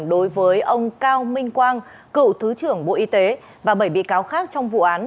đối với ông cao minh quang cựu thứ trưởng bộ y tế và bảy bị cáo khác trong vụ án